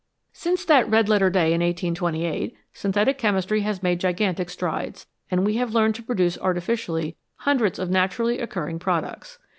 Since that red letter day in 1828 synthetic chemistry has made gigantic strides, and we have learned to produce artificially hundreds of naturally occurring products.